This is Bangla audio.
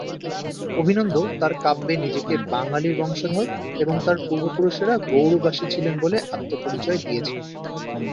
অভিনন্দ তাঁর কাব্যে নিজেকে বাঙালির বংশধর এবং তাঁর পূর্বপুরুষরা গৌড়বাসী ছিলেন বলে আত্মপরিচয় দিয়েছেন।